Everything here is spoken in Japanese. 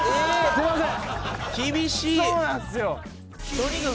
すいません。